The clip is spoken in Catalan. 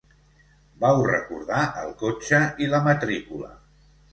Vau recordar el cotxe i la matrícula.